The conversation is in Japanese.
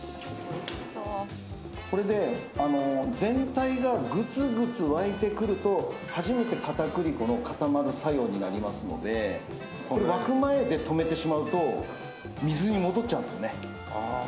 これで全体がグツグツ沸いてくると初めて片栗粉の固まる作用になりますので沸く前で止めてしまうと水に戻っちゃうんですね。